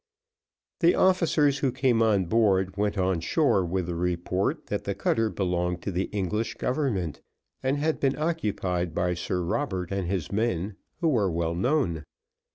The officers who came on board, went on shore with the report that the cutter belonged to the English government, and had been occupied by Sir Robert and his men, who were well known.